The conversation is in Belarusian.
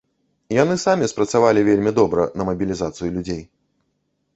Яны самі спрацавалі вельмі добра на мабілізацыю людзей.